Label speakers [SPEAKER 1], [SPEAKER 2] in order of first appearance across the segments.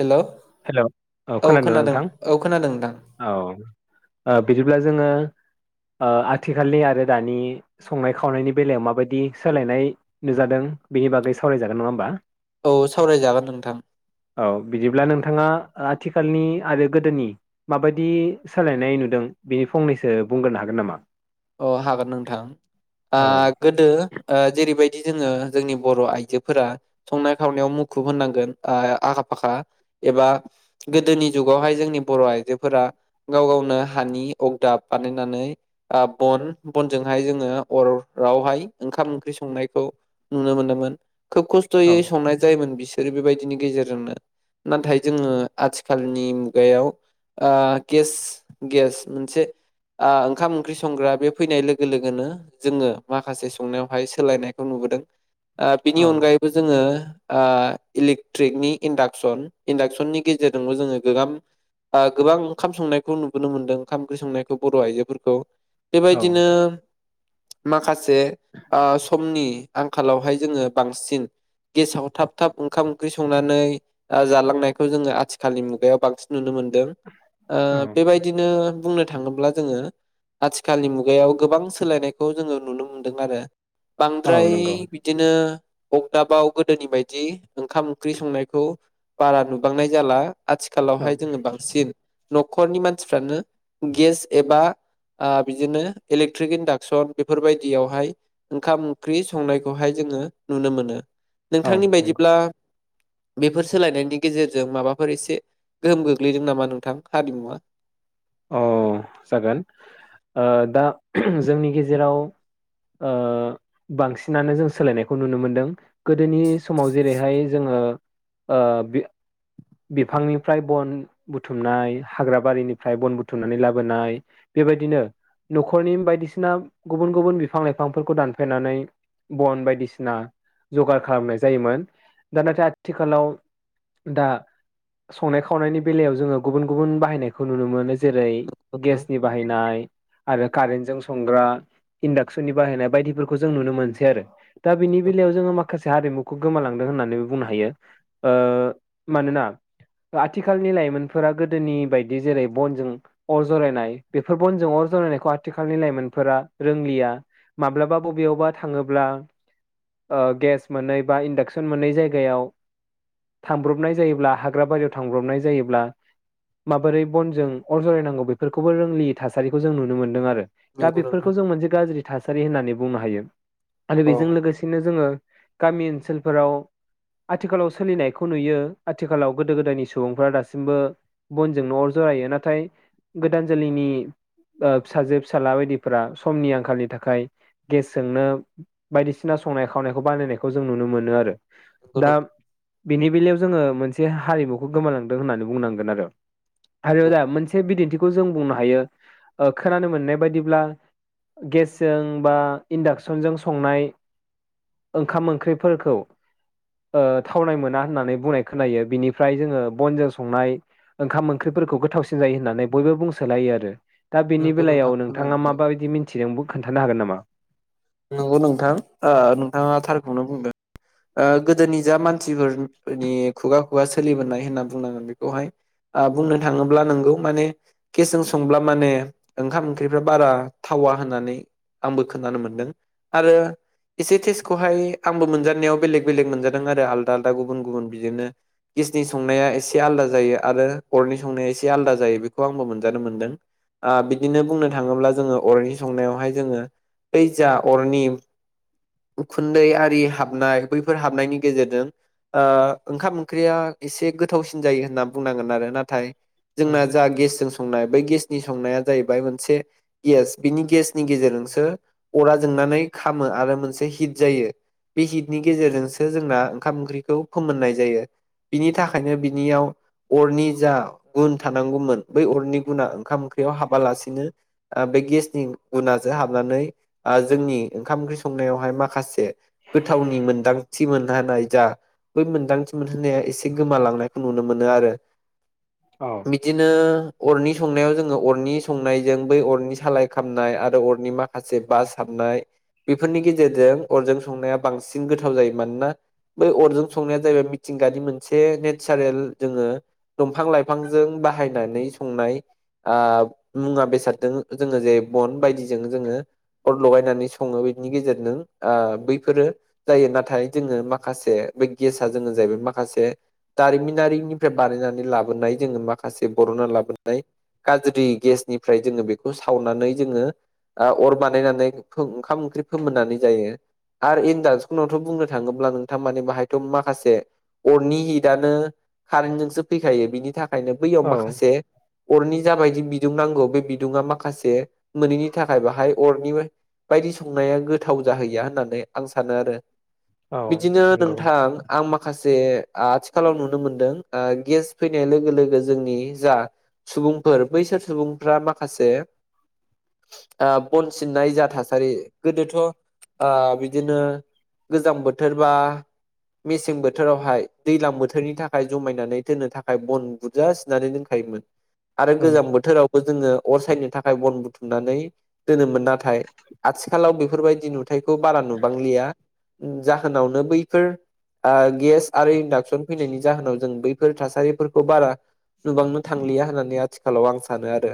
[SPEAKER 1] हेल'
[SPEAKER 2] hello! औ खोनादों नोंथां?
[SPEAKER 1] औ खोनादों नोंथां
[SPEAKER 2] औ ओ बिदिब्ला। जोङो‌। ओ आथिखालनि आरो दानि संनाय-खावनायनि बेलायाव माबायदि सोलायनाय नुजादों? बेनि बागै सावरायजागोन नङा होमबा?
[SPEAKER 1] औ सावरायजागोन नोंथां।
[SPEAKER 2] बिथाङा आथिखालनि आरो गोदोनि माबायदि सोलायनाय नुदों बेनि फंनैसो। बुंग्रोनो हागोन नामा?
[SPEAKER 1] अ हागोन नोंथां आ
[SPEAKER 2] औ
[SPEAKER 1] गोदो जेरैबायदि। जोङो जोंनि बर' आइजोफोरा संनाय-खावनायाव मुखुब होनांगोन ओ आखा-फाखा। एबा गोदोनि जुगावहाय जोंनि बर' आइजोफोरा गाव-गावनो हानि अगदाब। [unintelligible] ओ बन-बनजोंहाय जोङो अराव हाय ओंखाम-ओंख्रि संनायखौ। नुनो मोनोमोन खोब
[SPEAKER 2] औ
[SPEAKER 1] खस्थ'यै संनाय जायोमोन बिसोर। ओरै बेबायदिनि गेजेरजोंनो नाथाय जोङो आथिखालनि मुगायाव। ओ गेस-गेस मोनसे आ ओंखाम। ओंख्रि संग्रा बे फैनाय लोगो-लोगोनो जोङो माखासे संनायावहाय सोलायनायखौ नुबोदों। आ बिनि
[SPEAKER 2] औ
[SPEAKER 1] अनगायैबो जोङो। आ इलेक्ट्रिकनि इन्डाक्सन-इन्डाक्सननि गेजेरजोंबो जोङो गोगाम। आ गोबां ओंखाम संनायखौ नुबोनो मोन्दों ओंखाम-ओंख्रि संनायखौ बर' आइजोफोरखौ।
[SPEAKER 2] औ
[SPEAKER 1] बेबायदिनो माखासे आ समनि। आंखालावहाय जोङो बांसिन। गेसाव थाब-थाब ओंखाम-ओंख्रि संनानै आ जालांनायखौ जोङो आथिखालनि मुगायाव बांसिन नुनो मोनदों।
[SPEAKER 2] औ
[SPEAKER 1] बेबायदिनो बुंनो थाङोब्ला जोङो। आथिखालनि मुगायाव गोबां सोलायनायखौ जोङो नुनो मोन्दों आरो।
[SPEAKER 2] औ
[SPEAKER 1] बांद्राय
[SPEAKER 2] नंगौ
[SPEAKER 1] बिदिनो। अगदाबाव गोदोनि बायदि ओंखाम-ओंख्रि संनायखौ बारा नुबांनाय जाला।
[SPEAKER 2] औ
[SPEAKER 1] आथिखालावहाय जोङो बांसिन न'खरनि मानसिफ्रानो गेस एबा। आ बिदिनो इलेक्ट्रिक इन्डाक्सन बेफोरबायदियावहाय ओंखाम ओंख्रि संनायखौहाय जोङो। नुनो मोनो
[SPEAKER 2] औ
[SPEAKER 1] नोंथांनि
[SPEAKER 2] नंगौ
[SPEAKER 1] बायदिब्ला। बेफोर सोलायनायनि गेजेरजों माबाफोर इसे। गोहोम गोग्लैदों नामा नोंथां हारिमुआ?
[SPEAKER 2] अ! जागोन। ओ दा जोंनि गेजेराव। ओ बांसिनानो जों सोलायनायखौ नुनो मोनदों गोदोनि समाव जेरैहाय जोङो। ओ-ओ बे। बिफांनिफ्राय बन बुथुमनाय हाग्राबारिनि। फ्राय बन बुथुमनानै लाबोनाय बेबायदिनो। न'खरनि बायदिसिना गुबुन-गुबुन बिफां लाइफांफोरखौ दानफायनानै। बन बायदिसिना जगार खालामनाय जायोमोन दा नाथाय आथिखालाव। दा संनाय-खावनायनि बेलायाव जोङो गुबुन-गुबुन बाहायनायखौ। खौ नुनो मोनो जेरै
[SPEAKER 1] नोंथां
[SPEAKER 2] गेसनि बाहायनाय। आरो कारेन्ट जों संग्रा इन्डाक्सननि बाहायनाय बायदिफोरखौ जों नुनो मोनसै आरो। दा बिनि बेलायाव जोङो माखासे हारिमुखौ गोमालांदों। होननानै बुंनो हायो ओ मानोना। आथिखालनि लाइमोनफोरा गोदोनि बायदि। बिदि जेरै बनजों अर जरायनाय बेफोर बनजों अर जरायनायखौ आथिखालनि लाइमोनफोरा रोंलिया। माब्लाबा बबेयावबा थाङोब्ला। ओ गेस मोनै बा इन्डाक्सन मोनै जायगायाव। थांब्रबनाय जायोब्ला हाग्रा बारियाव थांब्रबनाय जायोब्ला। माबोरै बनजों अर जरायनांगौ बेफोरखौबो रोंलियै थासारिखौ जों नुनो मोनदों आरो। दा
[SPEAKER 1] नंगौ नोंथां
[SPEAKER 2] बेफोरखौ जों
[SPEAKER 1] नंगौ
[SPEAKER 2] मोनसे गाज्रि थासारि होननानै बुंनो हायो। आरो
[SPEAKER 1] औ
[SPEAKER 2] बेजों लोगोसेनो जोङो गामि ओनसोलफोराव आथिखालाव सोलिनायखौ नुयो आथिखालाव गोदो गोदायनि सुबुंफोरा दासिमबो बनजोंनो अर जरायो नाथाय गोदान जोलैनि फिसाजो फिसाला बायदिफोरा समनि आंखालनि थाखाय गेसजोंनो बायदिसिना संनाय खावनायखौ बानायनायखौ जों नुनो मोनो आरो।
[SPEAKER 1] नंगौ
[SPEAKER 2] दा
[SPEAKER 1] नोंथां
[SPEAKER 2] बेनि बेलायाव जोङो मोनसे हारिमुखौ गोमालांदों होननानै बुंनांगोन आरो। आरो
[SPEAKER 1] नंगौ
[SPEAKER 2] दा मोनसे बिदिन्थिखौ जों बुंनो हायो खोनानो मोननाय बायदिब्ला। गेसजों बा इन्डाक्सनजों संनाय ओंखाम ओंख्रिफोरखौ थावनाय मोना होननानै बुंनाय खोनायो। बिनिफ्राय जोङो बनजों संनाय ओंखाम ओंख्रिफोरखौ गोथावसिन जायो होननानै बयबो बुंसोलायो आरो। दा बेनि
[SPEAKER 1] नंगौ नोंथां
[SPEAKER 2] बेलायाव नोंथाङा
[SPEAKER 1] खोनादों औ
[SPEAKER 2] माबायदि मिन्थिदों खोन्थानो हागोन नामा?
[SPEAKER 1] नंगौ नोंथां नोंथाङा थारखौनो बुंदों। गोदोनि जा मानसिफोरनि खुगा खुगा सोलिबोनाय होनना बुंनांगोन बेखौहाय। बुंनो थाङोब्ला नोंगौ माने गेसजों संब्ला माने ओंखाम ओंख्रिफ्रा बारा थाव आं होननानै आंबो खोनानो मोनदों आरो। एसे टेसखौहाय आंबो मोनजानायाव। बेलेग बेलेग मोनजादों आरो आलदा आलदा गुबुन गुबुन बिदिनो गेसनि संनाया एसे आलदा जायो आरो। अरनि संनाया एसे आलदा जायो बेखौ आंबो मोनजानो मोनदों। बिदिनो बुंनो थाङोब्ला जोङो अरनि संनायावहाय जोङो। बै जा अरनि उखुन्दै आरि हाबनाय बैफोर हाबनायनि गेजेरजों ओंखाम ओंख्रिया एसे गोथावसिन जायो होनना बुंनांगोन आरो नाथाय जोंना जा गेसजों नाय बै गेसनि संनाया जाहैबाय मोनसे गेस बिनि गेसनि गेजेरजोंसो अरा जों मोननानै खामो आरो मोनसे हिद जायो बे हिद बेनि गेजेरजोंसो जोंना ओंखाम ओंख्रिखौ फोमोननाय जायो। बिनि थाखायनो बिनियाव अरनि जा गुन थानांगौमोन बै अरनि गुना ओंखाम ओंख्रि बेयाव हाबालासिनो बे गेसनि गुनासो हाबनानै जोंनि ओंखाम ओंख्रि सं नायावहाय माखासे गोथावनि मोनदांथि मोनहानाय जा बै मोन्दांथि मोनहोनाया एसे गोमालांनायखौ नुनो मोनो आरो।
[SPEAKER 2] औ
[SPEAKER 1] बिदिनो अरनि संनायाव जोङो अरनि संनायजों बै अरनि सालाय खामनाय आरो अरनि माखासे बास हाबनाय बेफोरनि गेजेरजों अरजों संनाया बांसिन गोथाव जायो मानोना। बै अरजों संनाया जाहैबाय मिथिंगानि मोनसे नेचारेल जोङो। दंफां लाइफांजों बाहायनानै संनाय मुवा बेसादजों जोङो जे बन बायदिजों जोङो। अर लगायनानै सङो बिनि गेजेरजों बैफोरो जायो नाथाय जोङो माखासे बे गेसआ जोङो जाहैबाय माखासे दारिमिनारिनिफ्राय बानायनानै लाबोनाय जोङो माखासे बर'ना लाबोनाय गाज्रि गेसनिफ्राय जोङो बेखौ सावनानै जोङो अर बानायनानै ओंखाम ओंख्रि फोमोननानै जायो आरो। दान्सनावथ' बुंनो थाङोब्ला नोंथां माने बाहायथ' माखासे। अरनि हिटआनो कारेन्टजोंसो फैखायो बिनि थाखाय ओंखायनो बैयाव
[SPEAKER 2] औ
[SPEAKER 1] माखासे अरनि जाबायदि बिदुं नांगौ। बे बिदुुंआ माखासे मोनिनि थाखाय बाहाय अरनिबो बायदि संनाया गोथाव जाहैया होननानै आं सानो आरो
[SPEAKER 2] औ
[SPEAKER 1] बिदिनो
[SPEAKER 2] नंगौ
[SPEAKER 1] नोंथां आं माखासे माखासे आथिखालाव नुनो मोनदों ओ गेस फैनाय लोगो लोगो जोंनि जा सुबुंफोर बैसोर सुबुंफ्रा माखासे ओ बन सिननाय जा थासारि गोदोथ' ओ बि बिदिनो गोजां बोथोरबा मेसें बोथोरावहाय दैज्लां बोथोरनि थाखाय जमायनानै दोननो थाखाय बन बुरजा सिननानै दोनखायो आरो
[SPEAKER 2] औ
[SPEAKER 1] गोजां बोथोराव जोङो अर सायनो थाखाय बन बुथुमनानै दोनोमोन नाथाय आथिखालाव बेफोरबायदि नुथायखौ बारा नु बांलिया जाहोनावनो बैफोर ओ गेस आरो इडाक्सन फैनायनि जाहोनाव जों बैफोर थासारिफोरखौ बारा नुबांनो थांलिया होननानै आथिखालाव आं सानो सानो आरो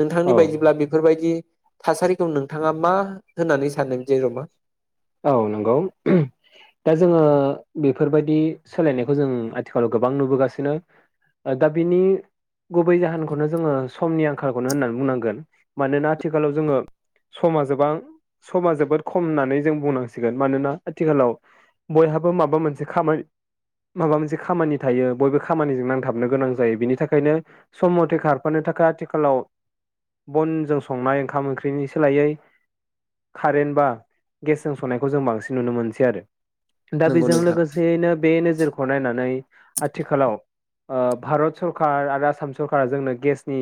[SPEAKER 1] नोंथांनि
[SPEAKER 2] औ
[SPEAKER 1] बायदिब्ला बेफोरबायदि थासारिखौ नोंथाङा मा होननानै सानो जेनबा?
[SPEAKER 2] औ नंगौ। दा जोङो बेफोरबायदि सोलायनायखौ जों आथिखालाव गोबां नुबोगासिनो। ओ दा बिनि गुबै जाहोनखौनो जोङो समनि आंखालखौनो होननानै बुंनांगोन मानोना आथिखालाव जोङो समा जोबां समा जोबोद खम होननानै जों बुंनांसिगोन मानोना आथिखालाव बयहाबो माबा मोनसे खामानि माबा मोनसे खामानि थायो बयबो खामानिजों नांथाबनो गोनां जायो बिनि थाखायनो सम मथे खारफानो थाखाय आथिखालाव बनजों संनाय ओंखाम ओंख्रिनि सोलायै खारेनबा गेसजों संनायखौ जों बांसिन नुनो मोनसै आरो दा
[SPEAKER 1] नंगौ
[SPEAKER 2] बेजों
[SPEAKER 1] नोंथां
[SPEAKER 2] लोगोसेयैनो बे नोजोर खौ नायनानै आथिखालाव ओ भारत सरखारार आरो आसाम सरखारा जोंनो गेसनि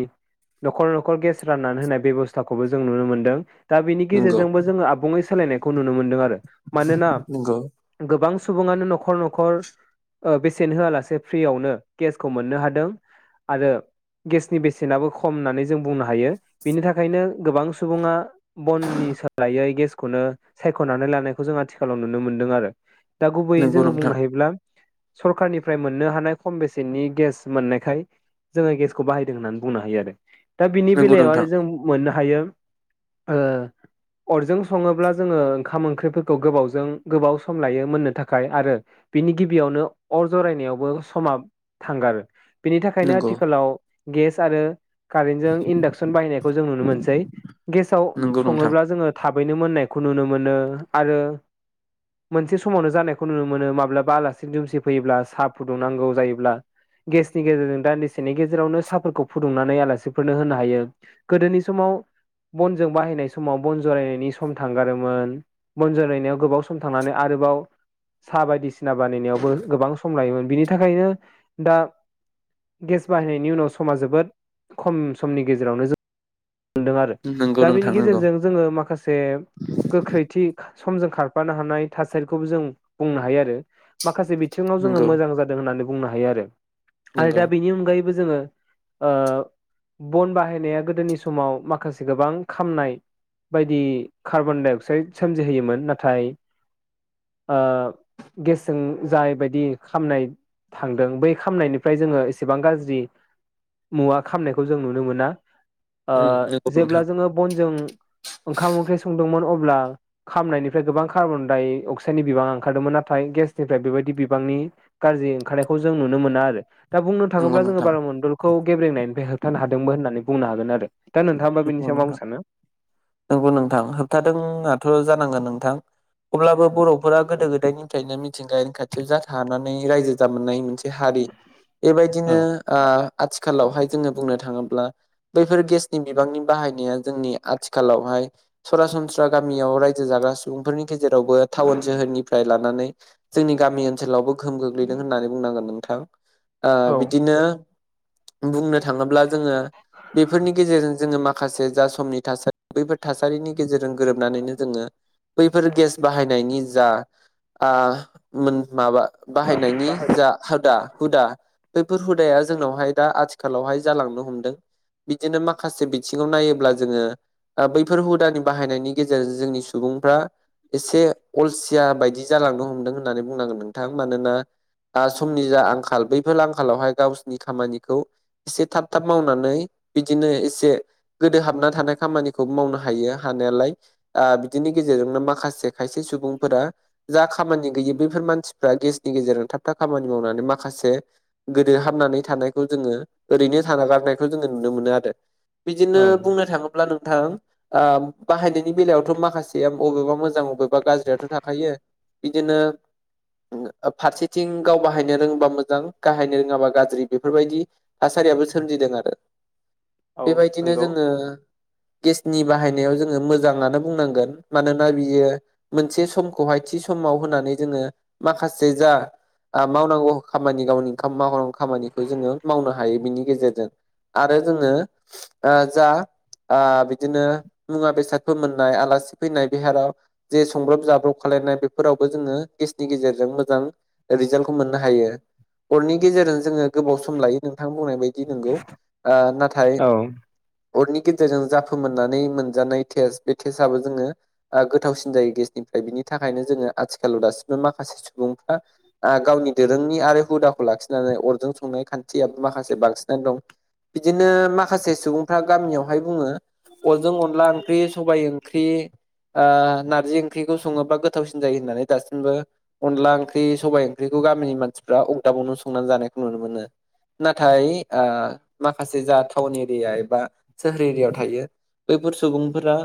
[SPEAKER 2] न'खर न'खर गेस राननानै होनाय बेब'स्थाखौबो जों नुनो मोन्दों। दा बेनि
[SPEAKER 1] नंगौ
[SPEAKER 2] गेजेरजोंबो जोङो आबुङै सोलायनायखौ नुनो मोनदों आरो मानोना
[SPEAKER 1] नंगौ
[SPEAKER 2] गोबां सुबुङानो न'खर न'खर ओ बेसेन होआलासे फ्रियावनो गेसखौ मोननो हादों। आरो गेसनि बेसेनाबो खम होननानै जों बुंनो हायो बिनि थाखायनो गोबां सुबुङा बननि सोलायै गेसखौनो सायख'नानै लानायखौ जों आथिखालाव नुनो मोनदों आरो दा गुबैयै
[SPEAKER 1] नंगौ
[SPEAKER 2] जोङो बुंनो
[SPEAKER 1] नोंथां
[SPEAKER 2] हायोब्ला सरखारनिफ्राय मोननो हानाय खम बेसेननि गेस मोननायखाय जोङो गेसखौ बाहायदों होननानै बुंनो हायो आरो। दा बिनि
[SPEAKER 1] नंगौ
[SPEAKER 2] बेलायाव आरो
[SPEAKER 1] नोंथां
[SPEAKER 2] जों मोननो हायो ओ अरजों सङोब्ला जोङो ओंखाम ओंख्रि फोरखौ गोबावजों गोबाव सम लायो मोननो थाखाय आरो बिनि गिबियावनो अर जरायनायावबो समा थांगारो बिनि थाखायनो
[SPEAKER 1] नंगौ
[SPEAKER 2] आथिखालाव गेस आरो कारेन्टजों इन्डाक्सन बाहायनायखौ जों नुनो मोनसै गेसाव
[SPEAKER 1] नंगौ नोंथां
[SPEAKER 2] सङोब्ला जोङो थाबैनो मोननाय खौ नुनो मोनो आरो मोनसे समावनो जानायखौ नुनो मोनो माब्लाबा आलासि दुमसि फैयोब्ला साहा फुदुंनांगौ जायोब्ला गेसनि गेजेरजों दान्दिसेनि गेजेरावनो साहाफोरखौ फुदुंनानै आलासिफोरनो होनो हायो गोदोनि समाव बनजों बाहायनाय समाव बन जरायनायनि सम थांगारोमोन बनजरायनायाव गोबाव सम थांनानै आरोबाव साहा बायदिसि सिना बानायनायावबो गोबां सम लायोमोन बिनि थाखायनो दा गेस बाहायनायनि उनाव समा जोबोद खम समनि गेजेरावनो जों मोनदों आरो
[SPEAKER 1] नंगौ
[SPEAKER 2] दा बेनि
[SPEAKER 1] नोंथां नंगौ
[SPEAKER 2] गेजेरजों जोङो माखासे गोख्रैथि। समजों खारफानो हानाय थासारिखौबो जों बुंनो हायो आरो मा माखासे बिथिङाव जोङो
[SPEAKER 1] नंगौ
[SPEAKER 2] मोजां जादों होननानै बुंनो हायो आरो आरो
[SPEAKER 1] नंगौ
[SPEAKER 2] दा बेनि अनगायैबो। जोङो बन बाहायनाया गोदोनि स समाव माखासे गोबां खामनाय। बायदि कार्बन डाइ अक्साइद सोमजिहोयोमोन नाथाय। गेसजों जाय बायदि खामनाय। थांदों बै खामनायनिफ्राय जोङो एसेबां गाज्रि। मुवा खामनायखौ जों नुनो मोना।
[SPEAKER 1] उम नंगौ
[SPEAKER 2] जेब्ला
[SPEAKER 1] नोंथां
[SPEAKER 2] जोङो बनजों। ओंखाम ओंख्रि संदोंमोन अब्ला खामनायनिफ्राय गोबां कार्बन डाइ अक्साइडनि बिबां ओंखारदोंमोन नाथाय गेस। निफ्राय बेबायदि बिबांनि गाज्रि ओंखारनायखौ जों नुनो मोना आरो। दा बुंनो
[SPEAKER 1] नंगौ
[SPEAKER 2] थाङोब्ला जोङो
[SPEAKER 1] नोंथां
[SPEAKER 2] बार मण्डलखौ गेब्रेंनायनिफ्राय होबथानो हादोंमोन होननानै बुंनो हागोन आरो। दा नोंथाङाबा बेनि
[SPEAKER 1] गौ
[SPEAKER 2] सायाव मा बुंनो
[SPEAKER 1] नोंथां
[SPEAKER 2] सानो
[SPEAKER 1] नंगौ नोंथां होबथादोंआथ' जानाङा नों। नोंथां। अब्लाबो बर'फोरा गोदो गोदायनिफ्रायनो मिथिंगायारि खाथियाव जाथा हानानै रायजो जाबोनाय मोनसे। हारि
[SPEAKER 2] औ
[SPEAKER 1] बेबायदिनो। आथिखालावहाय जोङो बुंनो थाङोब्ला बैफोर गेस। नि बिबांनि बाहायनाया जोंनि आथिखालावहाय सरासनस्रा गामियाव रायजो जाग्रा सुबुंफोरनि। गेजेरावबो टाउन सोहोरनिफ्राय लानानै जोंनि गामि ओनसोलावबो गोहोम गोग्लैदों होननानै बुंनांगोन नोंथां।
[SPEAKER 2] औ
[SPEAKER 1] बिदिनो बुंनो थाङोब्ला जोङो बेफोरनि। गेजेरजों जोङो माखासे जा समनि थासारि बैफोर थासारिनि गेजेरजों गोरोबनानैनो जोङो। बैफोर गेस बाहायनायनि जा मोन माबा। बाहायनायनि जा हुदा हुदा। बैफोर हुदाया जोंनावहाय दा आथिखालावहाय जालांनो हमदों। बिदिनो माखासे बिथिङाव नायोब्ला जोङो। बैफोर हुदानि बाहायनायनि गेजेरजों जोंनि सुबुंफ्रा। एसे अलसिया बायदि जालांनो हमदों होननानै बुंनांगोन नोंथां मानोना। समनि जा आंखाल बैफोर आंखालावहाय गावसिनि खामानिखौ एसे थाब थाब मावनानै। बिदिनो एसे गोदो हाबना थानाय खामानिखौ मावनो हायो हानायालाय बिदिनि गेजेरजों। माखासे खायसे सुबुंफोरा जा खामानि गैयै बैफोर मानसिफोरा गेसनि गेजेरजों थाब थाब खानि। नानै माखासे गोदो हाबनानै थानायखौ जोङो ओरैनो थानागारनायखौ जोङो। नुनो मोनो आरो बिदिनो बुंनो थाङोब्ला नोंथां। बाहायनायनि बेलायावथ' माखासेया बबेबा मोजां बबेबा गाज्रियाथ' थाखायो। बिदिनो। फारसेथिं गाव बाहायनो रोंङोबा मोजां गाहायनो रोङाबा गाज्रि बेफोरबायदि थास हारियाबो सोमजिदों आरो।
[SPEAKER 2] औ
[SPEAKER 1] बेबायदिनो
[SPEAKER 2] नंगौ
[SPEAKER 1] जोङो। गेसनि बाहायनायाव जोङो मोजाङानो बुंनांगोन मानोना बियो मोनसे समखौहाय थि सम। समाव होनानै जोङो माखासे जा। मावनांगौ खामानि गावनि ओंखाम मावनांगौ खामानिखौ जोङो मावनो हायो बिनि गेजेरजों। आरो जोङो जा। बिदिनो मुवा बेसादफोर मोननाय आलासि फैनाय बेहाराव जे संब्रब जाब्रब खालाम नाय बेफोरावबो जोङो गेस गेजेरजों मोजां रिजाल्टखौ मोननो हायो। अरनि गेजेरजों जोङो गोबाव सम लायो नोंथां बुंनाय बायदि नोंगौ। नाथाय
[SPEAKER 2] औ
[SPEAKER 1] अरनि। गेजेरजों जाफोमोननानै मोनजानाय टेस्ट बे टेस्ट आबो जोङो गोथावसिन जायो गेसनिफ्राय बिनि। बि थाखायनो जोङो आथिखालाव दासिमबो माखासे सुबुंफ्रा गावनि दोरोंनि आरो हुदाखौ लाखिनानै। अरजों संनाय खान्थिया माखासे बांसिनानो दं। बिदिनो माखासे सुबुंफ्रा गामियावहाय बुङो। अनजों अनला ओंख्रि, सबायाइ ओंख्रि, ओ नारजि ओंख्रिखौ सङोबा गोथावसिन जायो होननानै। दासिमबो अनला ओंख्रि, सबाय ओंख्रिखौ गामिनि मानसिफ्रा अरदाबावनो संनानै जानायखौ नुनो मोनो। नाथाय ओ माखासे जा टाउन एरिया, एबा सोहोर एरियायाव थायो। बैफोर सुबुंफोरा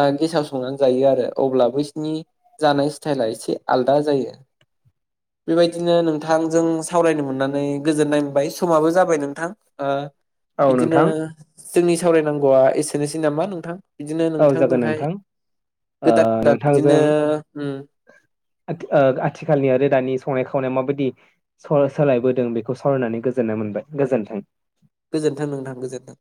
[SPEAKER 1] ओ गेसाव संनानै जायो आरो अब्ला बैसोरनि जानाय स्टाइला एसे आलदा जायो‌। बेबायदिनो नोंथांजों सावरायनो मोननानै गोजोननाय मोनबाय। समाबो जाबाय नोंथां। ओ
[SPEAKER 2] औ
[SPEAKER 1] बिदिनो
[SPEAKER 2] नोंथां
[SPEAKER 1] जोंनि सावरायनांगौआ एसेनोसै नामा? नोंथां। बिदिनो
[SPEAKER 2] औ जागोन
[SPEAKER 1] नोंथांजोंहाय
[SPEAKER 2] नोंथां ओ
[SPEAKER 1] गोदान-गोदान बिदिनो
[SPEAKER 2] नोंथांजों ओ आथिखालनि आरो दानि संनाय खावनाय माबायदि स सोलायबोदों बेखौ सावरायनानै गोजोननाय मोनबाय गोजोन्थों।
[SPEAKER 1] गोजोन्थों नोंथां गोजोन्थों।